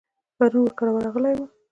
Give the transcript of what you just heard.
پرون ور کره ورغلی وم.